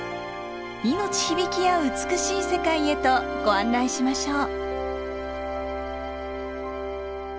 命響きあう美しい世界へとご案内しましょう。